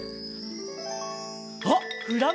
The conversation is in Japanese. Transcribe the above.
あっフラミンゴだ！